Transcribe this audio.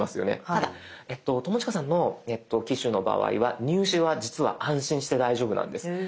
ただ友近さんの機種の場合は入手は実は安心して大丈夫なんです。